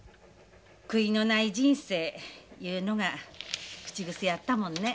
悔いのない人生いうのが口癖やったもんね。